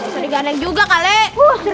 mendingan juga kali